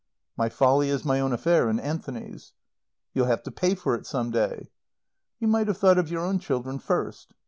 "My folly is my own affair and Anthony's." "You'll have to pay for it some day." "You might have thought of your own children first."